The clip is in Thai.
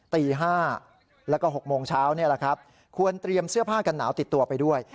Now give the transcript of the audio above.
ตี๕แล้วก็๖โมงเช้านี่แหละครับควรเตรียมเสื้อผ้ากันหนาวติดตัวไปด้วย